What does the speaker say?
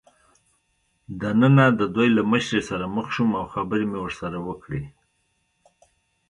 دننه د دوی له مشرې سره مخ شوم او خبرې مې ورسره وکړې.